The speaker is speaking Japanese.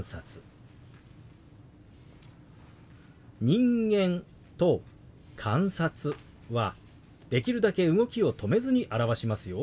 「人間」と「観察」はできるだけ動きを止めずに表しますよ。